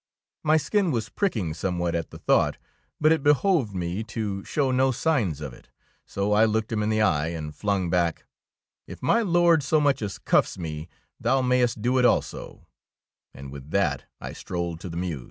'' My skin was pricking somewhat at the thought, but it behoved me to show no signs of it ; so I looked him in the eye and flung back, — "If my Lord so much as cuffs me, thou mayst do it also "; and with that I strolled to the mews.